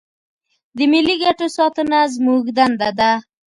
د ملي ګټو ساتنه زموږ دنده ده.